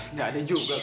nggak ada juga kalau